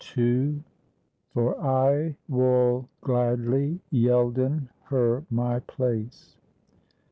FOE I WOL GLADLY YELDEN HIKE MY PLACE.'